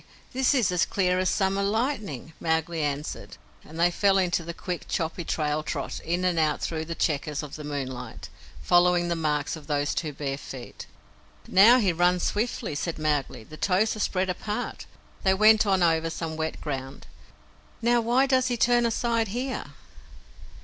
This is as clear as summer lightning," Mowgli answered; and they fell into the quick, choppy trail trot in and out through the checkers of the moonlight, following the marks of those two bare feet. "Now he runs swiftly," said Mowgli. "The toes are spread apart." They went on over some wet ground. "Now why does he turn aside here?"